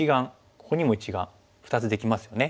ここにも一眼２つできますよね。